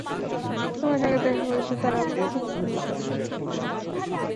তোমার সঙ্গে দেখা করিতেও তার আপত্তি!